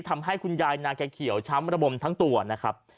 ทำให้คุณยายนาแกเขียวช้ำระบมทั้งตัวนะครับ